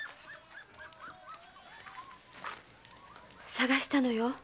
捜したのよ。